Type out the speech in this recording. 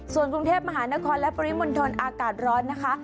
ส่วนกรุงเทพมหานครและปริมณฑลอากาศร้อนนะคะ